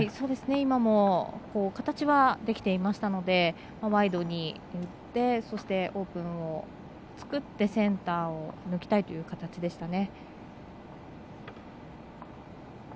今も形はできていましたのでワイドに打ってそしてオープンを作ってセンターを抜きたいという形でしたね。